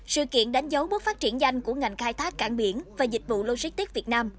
sự kiện đánh dấu bước phát triển danh của ngành khai thác cảng biển và dịch vụ logistics việt nam